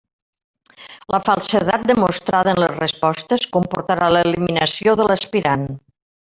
La falsedat demostrada en les respostes comportarà l'eliminació de l'aspirant.